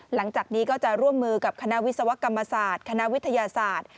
หลังจากนี้ก็จะร่วมมือกับคณะวิศวกรรมศาสตร์คณะวิทยาศาสตร์